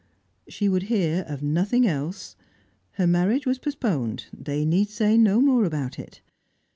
She would hear of nothing else. Her marriage was postponed; they need say no more about it.